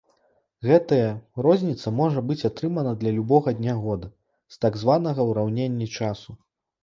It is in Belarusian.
Гэтая розніца можа быць атрымана для любога дня года з так званага ўраўненні часу.